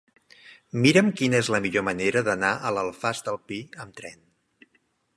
Mira'm quina és la millor manera d'anar a l'Alfàs del Pi amb tren.